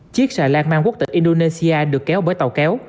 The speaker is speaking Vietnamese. chiếc xà lan mang quốc tịch indonesia được kéo bởi tàu kéo